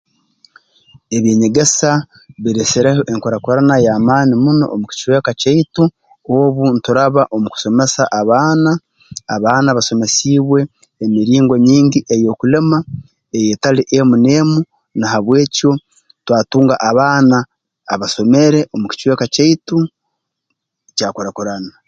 Eby'enyegesa bireesereho enkurakurana y'amaani muno omu kicweka kyaitu obu nturaba omu kusomesa abaana abaana basomesiibwe emiringo nyingi ey'okulima eyeetali emu n'emu na habw'ekyo twatunga abaana abasomere omu kicweka kyaitu kyakurakurana